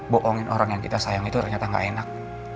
bohongin orang yang kita sayang itu ternyata gak enak